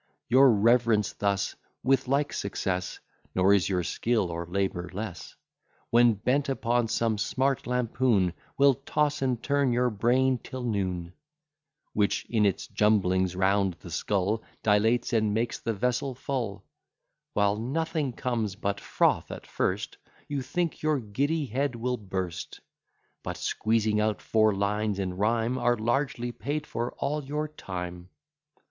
Your reverence thus, with like success, (Nor is your skill or labour less,) When bent upon some smart lampoon, Will toss and turn your brain till noon; Which in its jumblings round the skull, Dilates and makes the vessel full: While nothing comes but froth at first, You think your giddy head will burst; But squeezing out four lines in rhyme, Are largely paid for all your time.